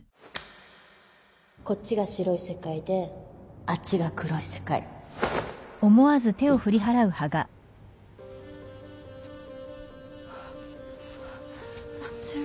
こっちが白い世界であっちが黒い世界あっ違う。